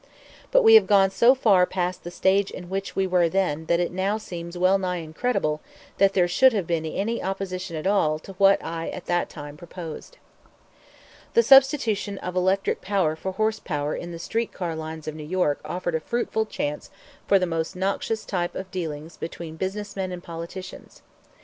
But we have gone so far past the stage in which we then were that now it seems well nigh incredible that there should have been any opposition at all to what I at that time proposed. The substitution of electric power for horse power in the street car lines of New York offered a fruitful chance for the most noxious type of dealing between business men and politicians.